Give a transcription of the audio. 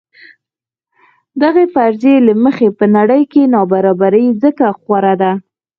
دغې فرضیې له مخې په نړۍ کې نابرابري ځکه خوره ده.